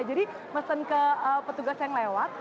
jadi mesen ke petugas yang lewat